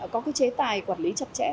có cái chế tài quản lý chặt chẽ